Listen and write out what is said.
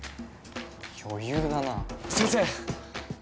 余裕だな先生